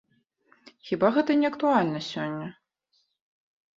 Хіба гэта не актуальна сёння?